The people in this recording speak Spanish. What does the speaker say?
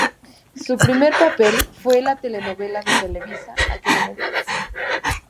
Su primer papel fue en la telenovela de Televisa "A que no me dejas".